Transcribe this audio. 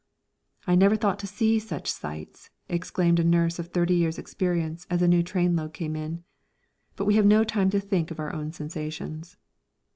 "I never thought to see such sights," exclaimed a nurse of thirty years' experience as a new trainload came in. But we have no time to think of our own sensations.